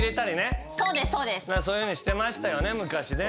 そういうふうにしてましたよね昔ね。